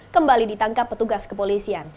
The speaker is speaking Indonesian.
kembali ditangkap petugas kepolisian